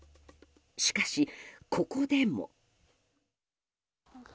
しかし、ここでも。